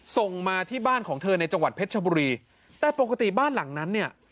ส่งมาที่บ้านของเธอในจังหวัดเพชรชบุรีแต่ปกติบ้านหลังนั้นเนี่ย